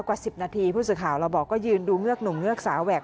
กว่า๑๐นาทีผู้สื่อข่าวเราบอกก็ยืนดูเงือกหนุ่มเงือกสาวแหวก